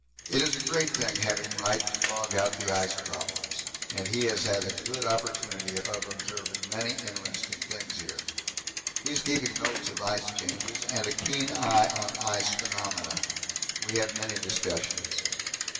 It is a great thing having Wright to fog out the ice problems, and he has had a good opportunity of observing many interesting things here. He is keeping notes of ice changes and a keen eye on ice phenomena; we have many discussions.